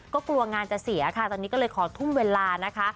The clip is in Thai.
ก็กลัวงานจะเสียค่ะตอนนี้ก็เลยขอทุ่มเวลานะคะ